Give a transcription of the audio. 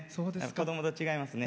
子どもと違いますね。